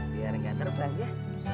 biar nggak terbang ya